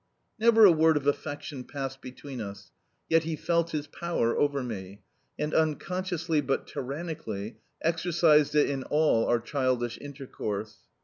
Never a word of affection passed between us, yet he felt his power over me, and unconsciously but tyrannically, exercised it in all our childish intercourse.